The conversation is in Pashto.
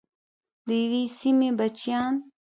د یوې سیمې بچیان.